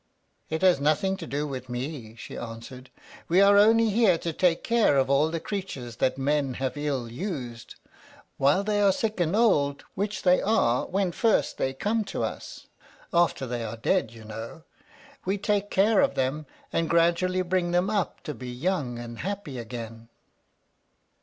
"It has nothing to do with me," she answered. "We are only here to take care of all the creatures that men have ill used. While they are sick and old, which they are when first they come to us, after they are dead, you know, we take care of them, and gradually bring them up to be young and happy again."